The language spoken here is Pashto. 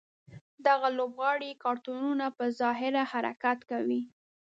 دغه لوبغاړي کارتونونه په ظاهره حرکت کوي.